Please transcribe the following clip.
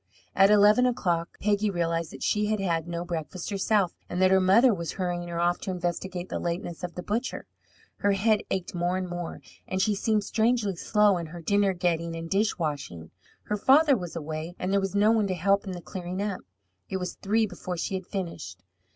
At eleven o'clock Peggy realized that she had had no breakfast herself, and that her mother was hurrying her off to investigate the lateness of the butcher. Her head ached more and more, and she seemed strangely slow in her dinner getting and dish washing. Her father was away, and there was no one to help in the clearing up. It was three before she had finished.